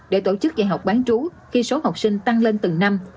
để tổ chức dạy học bán trú khi số học sinh tăng lên từng năm